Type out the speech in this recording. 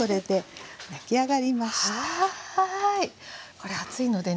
これ熱いのでね